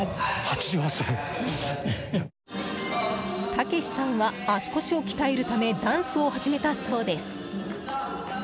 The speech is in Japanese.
健さんは、足腰を鍛えるためダンスを始めたそうです。